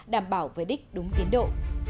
đảm bảo với đích đúng tiến độ